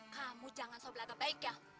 kamu jangan soblak kebaik ya